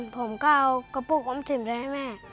ผมก็เอากระปุกออมสินไปให้แม่